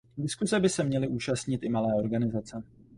Diskuse by se měly účastnit i malé organizace.